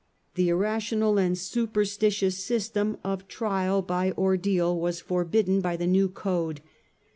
The irrational and superstitious system of trial by i io STUPOR MUNDI ordeal was forbidden by the new code.